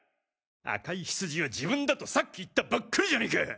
赤いヒツジは自分だとさっき言ったばっかりじゃないか。